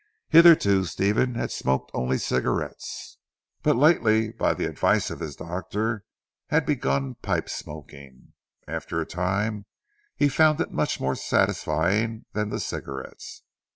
Hitherto Stephen had smoked only cigarettes, but lately, by the advice of his doctor, had begun pipe smoking. After a time, he found it much more satisfying than the cigarettes.